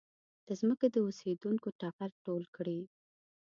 د ځمکې د اوسېدونکو ټغر ټول کړي.